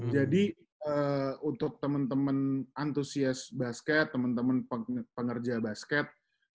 jadi untuk temen temen antusias basket temen temen pengerja basket